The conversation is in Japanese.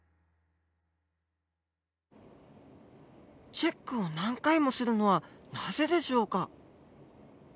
チェックを何回もするのはなぜでしょうか？